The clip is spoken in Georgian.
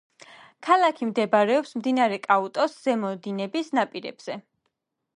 ქალაქი მდებარეობს მდინარე კაუტოს ზემო დინების ნაპირებზე.